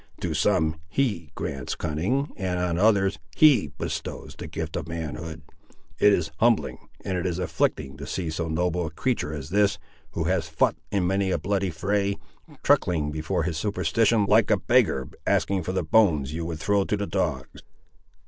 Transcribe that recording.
"To some He grants cunning, and on others He bestows the gift of manhood! It is humbling, and it is afflicting to see so noble a creatur' as this, who has fou't in many a bloody fray, truckling before his superstition like a beggar asking for the bones you would throw to the dogs.